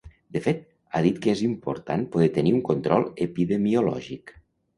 De fet, ha dit que és important poder de tenir un control epidemiològic.